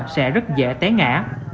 sẽ rất dễ té ngã